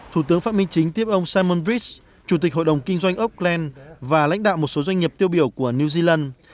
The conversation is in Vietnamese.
thủ tướng pháp minh chính tiếp ông simon bridges chủ tịch hội đồng kinh doanh auckland và lãnh đạo một số doanh nghiệp tiêu biểu của new zealand